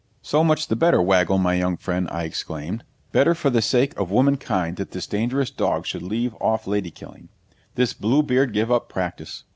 'So much the better, Waggle, my young friend,' I exclaimed. 'Better for the sake of womankind that this dangerous dog should leave off lady killing this Blue Beard give up practice.